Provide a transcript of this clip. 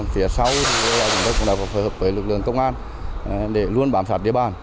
phía sau chúng tôi cũng phối hợp với lực lượng công an để luôn bám sát địa bàn